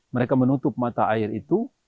mereka menutup mata air itu